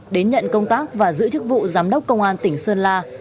đến nhận công tác và giữ chức vụ giám đốc công an tỉnh sơn la